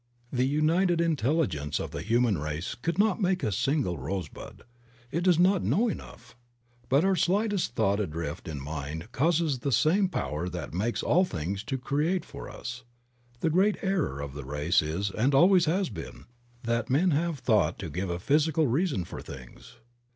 The united intelligence of the human race could not make a single rose bud; it does not know enough. But our slightest thought adrift in mind Creative Mind. 61 causes the same power that makes all things to create for us. The great error of the race is, and always has been, that men have thought to give a physical reason for things.